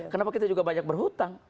kenapa kita juga banyak berhutang